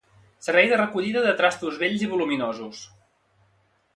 Servei de recollida de trastos vells i voluminosos